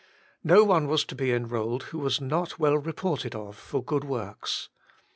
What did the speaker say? No one was to be enrolled who was not ' well reported of for good works.'